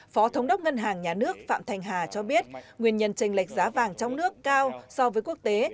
phó thống đốc ngân hàng nhà nước phạm thành hà cho biết nguyên nhân tranh lệch giá vàng trong nước cao so với quốc tế